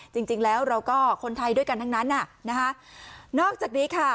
จริงจริงแล้วเราก็คนไทยด้วยกันทั้งนั้นน่ะนะคะนอกจากนี้ค่ะ